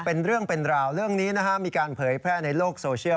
เป็นเรื่องเป็นราวเรื่องนี้นะฮะมีการเผยแพร่ในโลกโซเชียล